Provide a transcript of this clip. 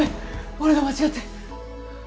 俺が間違って。